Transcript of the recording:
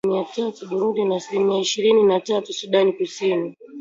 Asilimia tatu Burundi na asilimia ishirini na tatu Sudan Kusini